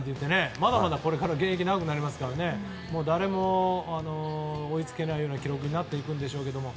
まだまだこれから現役長くなりますから誰も追いつけないような記録になっていくんでしょうけども。